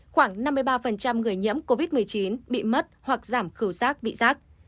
khoảng năm mươi ba người nhiễm covid một mươi chín bị mất hoặc giảm khẩu giác vị giác